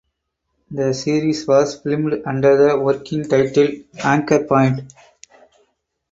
The series was filmed under the working title "Anchor Point".